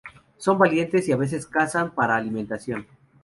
Son valientes y a veces se cazan para alimentación.